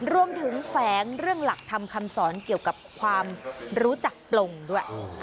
แฝงเรื่องหลักธรรมคำสอนเกี่ยวกับความรู้จักปลงด้วย